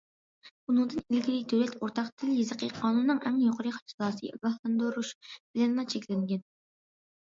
بۇنىڭدىن ئىلگىرى، دۆلەت ئورتاق تىل- يېزىقى قانۇنىنىڭ ئەڭ يۇقىرى جازاسى« ئاگاھلاندۇرۇش» بىلەنلا چەكلەنگەن.